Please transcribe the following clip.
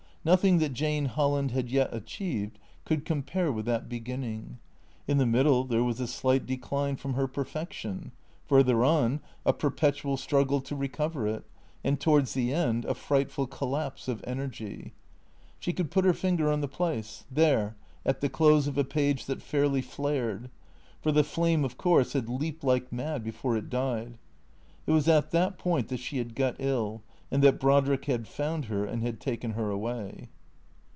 Nothing that Jane Holland had yet achieved could compare with that beginning. In the middle there was a slight decline from her perfection; further on, a perpetual struggle to recover it; and, towards the end, a frightful collapse of energy. She could put her finger on the place; there, at the close of a page that fairly flared ; for the flame, of course, had leaped like mad before it died. It was at that point that she had got ill, and that Brodrick had found her and had taken her away.